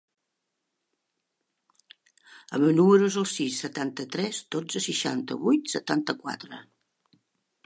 El meu número es el sis, setanta-tres, dotze, seixanta-vuit, setanta-quatre.